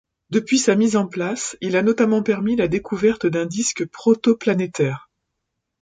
Depuis sa mise en place il a notamment permis la découverte d'un disque protoplanétaire.